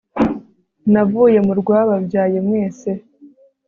navuye mu rwababyaye mwese